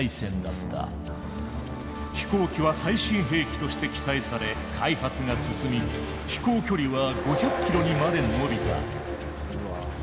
飛行機は最新兵器として期待され開発が進み飛行距離は５００ｋｍにまで伸びた。